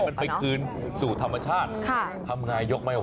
มันไปคืนสู่ธรรมชาติทำไงยกไม่ไหว